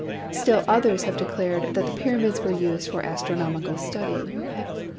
Still others have declared that the pyramids were used for astronomical study.